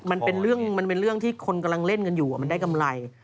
มันเป็นเรื่องที่คนกำลังเล่นกันอยู่มันได้กำไร